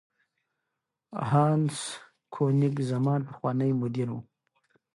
هانس کوېنیګزمان پخوانی مدیر و.